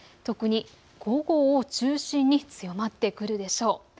特に午後を中心に強まってくるでしょう。